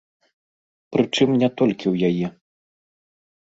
Прычым не толькі ў яе.